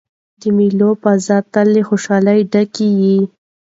د مېلو فضا تل له خوشحالۍ ډکه يي.